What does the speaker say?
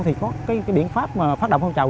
thì có cái biện pháp phát động phong trào